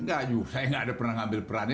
enggak saya nggak ada pernah ngambil peran